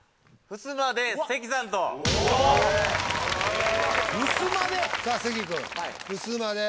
「ふすま」で。